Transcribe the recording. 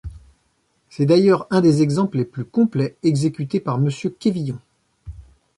C'est d'ailleurs un des exemples les plus complets exécutés par monsieur Quévillon.